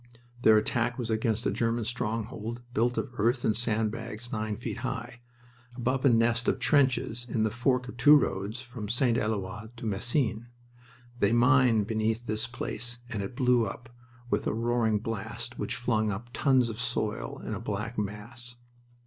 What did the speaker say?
Their attack was against a German stronghold built of earth and sand bags nine feet high, above a nest of trenches in the fork of two roads from St. Eloi to Messines. They mined beneath this place and it blew up with a roaring blast which flung up tons of soil in a black mass.